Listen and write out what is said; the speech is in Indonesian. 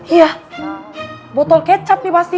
iya botol kecap nih pasti